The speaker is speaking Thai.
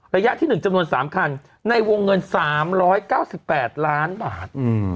ระยะที่๑จำนวน๓คันในวงเงิน๓๙๘ล้านบาท